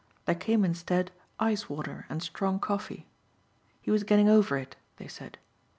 There came instead ice water and strong coffee. He was getting over it, they said.